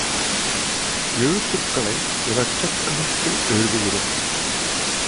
எழுத்துகளை இலட்சக் கணக்கில் எழுதுகிறோம்.